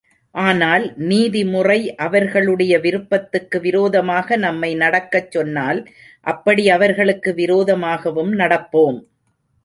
ஆனால் நீதிமுறை அவர்களுடைய விருப்பத்துக்கு விரோதமாக நம்மை நடக்கச் சொன்னால், அப்படி அவர்களுக்கு விரோதமாகவும் நடப்போம்.